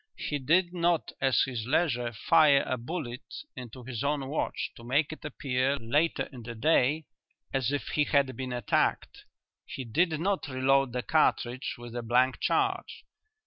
He did not at his leisure fire a bullet into his own watch to make it appear, later in the day, as if he had been attacked. He did not reload the cartridge with a blank charge.